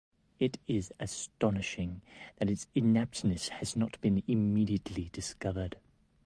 It is astonishing that its inaptness had not been immediately discovered.